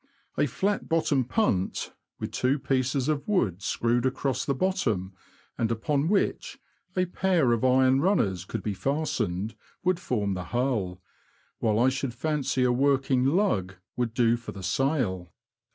A flat bottomed punt, with two pieces of wood screwed across the bottom, and upon which a pair of iron runners could be fastened, would form the hull ; while I should fancy a working lug would do for the sail.